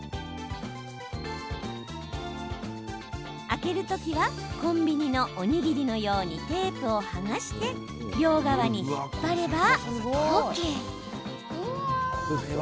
開ける時はコンビニのおにぎりのようにテープを剥がして両側に引っ張ればＯＫ。